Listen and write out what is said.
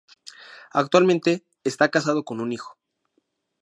Actualmente está casado con un hijo.